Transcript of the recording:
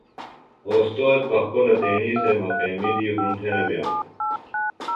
اوستوذ پخپُلہ تیݨی سےۡ مقیمی دی ہُنڈ تھےۡ نہ بئانوۡ۔